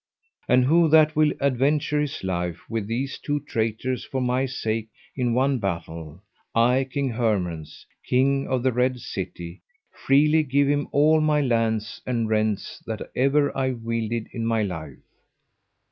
And who that will adventure his life with these two traitors for my sake in one battle, I, King Hermance, King of the Red City, freely give him all my lands and rents that ever I wielded in my life.